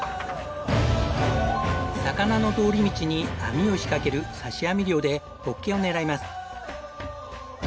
魚の通り道に網を仕掛ける刺し網漁でホッケを狙います。